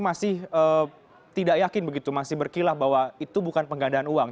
masih tidak yakin begitu masih berkilah bahwa itu bukan penggandaan uang